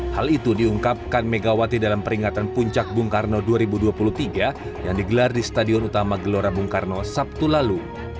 hal itu diungkapkan megawati dalam peringatan puncak bung karno dua ribu dua puluh tiga yang digelar di stadion utama gelora bung karno sabtu lalu